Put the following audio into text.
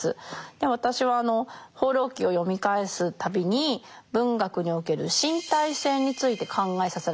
私は「放浪記」を読み返す度に文学における「身体性」について考えさせられます。